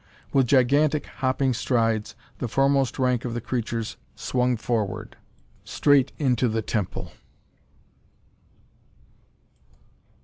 With gigantic, hopping strides, the foremost rank of the creatures swung forward, straight into the temple.